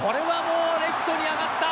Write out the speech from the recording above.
レフトに上がった！